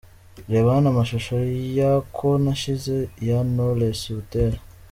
Reba hano amashusho ya 'Ko nashize' ya Knowless Butera.